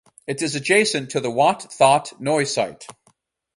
It is adjacent to the Wat That Noi site.